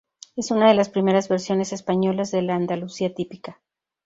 Es una de las primeras versiones españolas de la Andalucía típica.